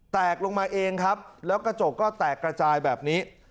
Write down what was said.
ตกลงมาเองครับแล้วกระจกก็แตกกระจายแบบนี้